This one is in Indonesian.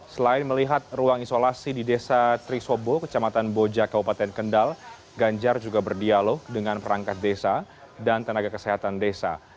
selain melihat ruang isolasi di desa trisobo kecamatan boja kabupaten kendal ganjar juga berdialog dengan perangkat desa dan tenaga kesehatan desa